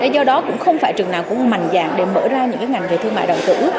do đó cũng không phải trường nào cũng mạnh dạng để mở ra những ngành về thương mại đầu tư